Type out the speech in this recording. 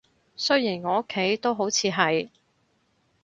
雖然我屋企都好似係